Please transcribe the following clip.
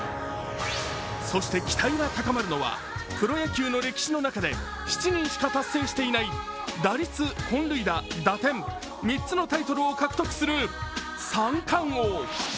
そして期待が高まるのは、プロ野球の歴史の中で７人しか達成していない打率、本塁打、打点３つのタイトルを獲得する三冠王。